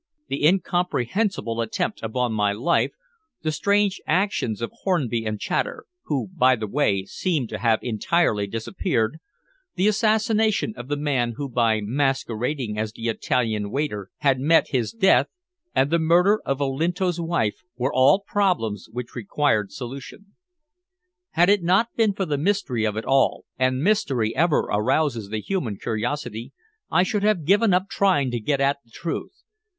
The incomprehensible attempt upon my life, the strange actions of Hornby and Chater who, by the way, seemed to have entirely disappeared the assassination of the man who by masquerading as the Italian waiter had met his death, and the murder of Olinto's wife were all problems which required solution. Had it not been for the mystery of it all and mystery ever arouses the human curiosity I should have given up trying to get at the truth.